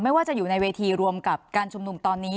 ว่าจะอยู่ในเวทีรวมกับการชุมนุมตอนนี้